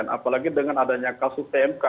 apalagi dengan adanya kasus tmk